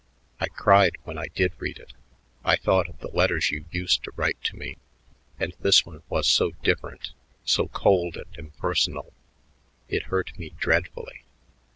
I cried when I did read it. I thought of the letters you used to write to me and this one was so different so cold and impersonal. It hurt me dreadfully.